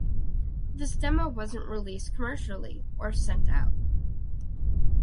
This demo wasn't released commercially or sent out.